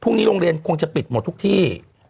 พรุ่งนี้โรงเรียนคงจะปิดหมดทุกที่